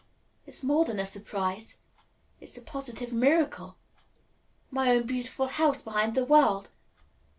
It's more than a surprise. It's a positive miracle. My own beautiful House Behind the World!